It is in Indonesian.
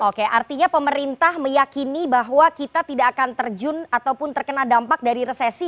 oke artinya pemerintah meyakini bahwa kita tidak akan terjun ataupun terkena dampak dari resesi